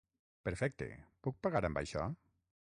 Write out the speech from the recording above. Perfecte, puc pagar amb això?